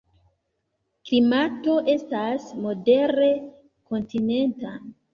Klimato estas modere kontinenta.